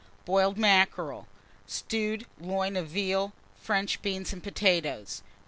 Boiled mackerel. 2. Stewed loin of veal, French beans and potatoes.